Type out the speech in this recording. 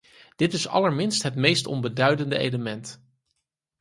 Dit is allerminst het meest onbeduidende element.